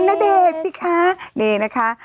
ณเดชน์สิคะนี่นะคะ